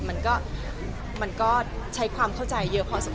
มันก็ใช้ความเข้าใจเยอะพอสมค